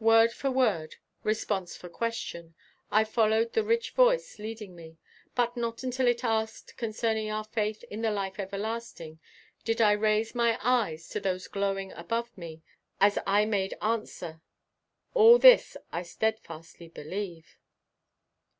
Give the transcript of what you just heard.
Word for word, response for question, I followed the rich voice leading me, but not until it asked concerning our faith in the "life everlasting" did I raise my eyes to those glowing above me as I made answer: "All this I steadfastly believe."